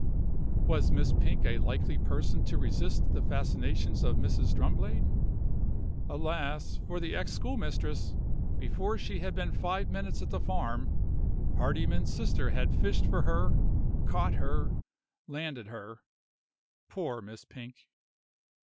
Was Miss Pink a likely person to resist the fascinations of Mrs. Drumblade? Alas, for the ex schoolmistress! before she had been five minutes at the farm, Hardyman's sister had fished for her, caught her, landed her. Poor Miss Pink!